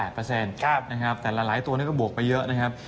ครับแต่หลายตัวนี้ก็บวกไปเยอะนะครับ